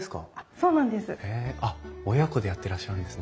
そうなんです。